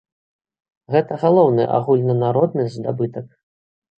Гэта галоўны агульнанародны здабытак.